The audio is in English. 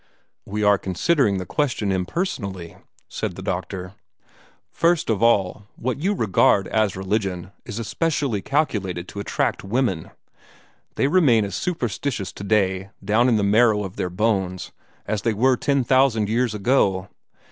"We are considering the question impersonally," said the doctor. "First of all, what you regard as religion is especially calculated to attract women. They remain as superstitious today, down in the marrow of their bones, as they were ten thousand years ago.